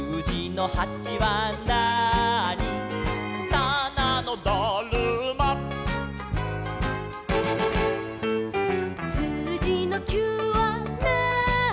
「たなのだるま」「すうじの９はなーに」